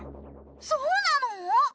そうなの！？